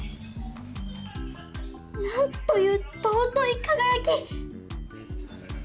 何という尊い輝き！